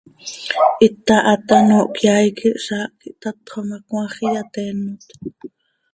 Hita haat hanoohcö yaai quih zaah quih tatxo ma, cmaax iyateenot.